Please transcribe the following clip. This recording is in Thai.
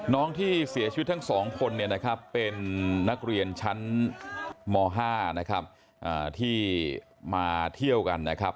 น้องที่เสี่ยชีวิตทั้ง๒คนเป็นนักเรียนชั้นม๕ที่มาเที่ยวกันนะครับ